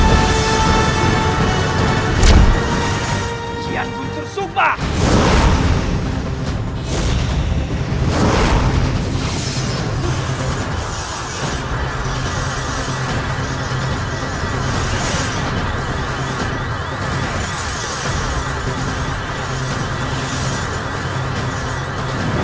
aku bukan saudaramu